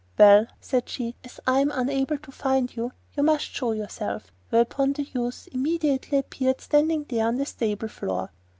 'Well,' said she, 'as I am unable to find you, you must show yourself; 'whereupon the youth immediately appeared standing there on the stable floor.